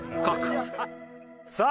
さあ